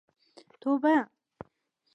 توبه.